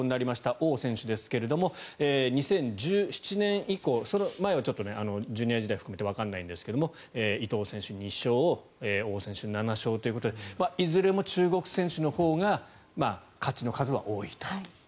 オウ選手ですけれども２０１７年以降その前はジュニア時代含めてわからないんですが伊藤選手、２勝オウ選手、７勝ということでいずれも中国選手のほうが勝ちの数は多いと。